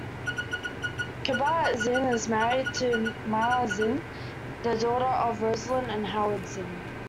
Kabat-Zinn is married to Myla Zinn, the daughter of Roslyn and Howard Zinn.